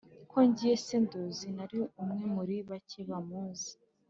ko ngiye se nduzi nari umwe muri bake bamuzi